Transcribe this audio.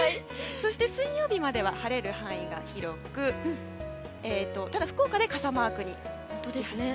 そして水曜日までは晴れる範囲が広くただ、福岡で傘マークです。